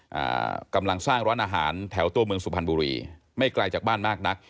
อ่ากำลังสร้างร้านอาหารแถวตัวเมืองสุพรรณบุรีไม่ไกลจากบ้านมากนัก